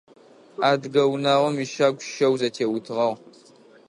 Адыгэ унагъом ищагу щэу зэтеутыгъагъ.